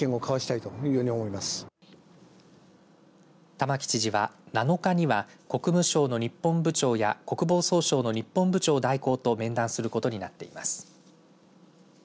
玉城知事は７日には国務省の日本部長や国防総省の日本部長代行と面談することになっています。